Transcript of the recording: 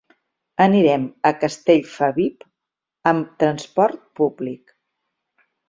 Anirem a Castellfabib amb transport públic.